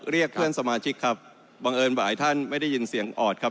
เรียกเพื่อนสมาชิกครับบังเอิญหลายท่านไม่ได้ยินเสียงออดครับ